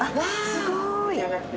すごーい！